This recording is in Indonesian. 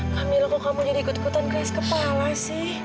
kamila kok kamu jadi kut kutan keras kepala sih